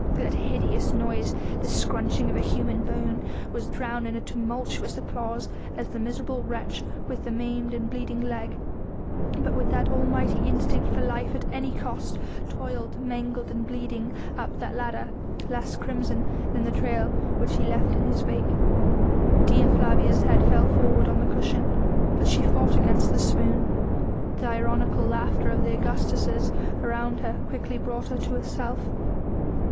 That hideous noise the scrunching of a human bone was drowned in tumultuous applause as the miserable wretch with the maimed and bleeding leg, but with that almighty instinct for life at any cost, toiled mangled and bleeding up that ladder less crimson than the trail which he left in his wake. Dea Flavia's head fell forward on the cushion. But she fought against the swoon. The ironical laughter of the Augustas round her quickly brought her to herself.